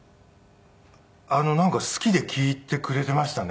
なんか好きで聴いてくれていましたね。